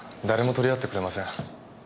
誰も取り合ってくれません。